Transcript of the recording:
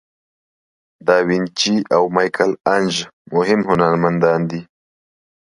داوینچي او میکل آنژ مهم هنرمندان دي.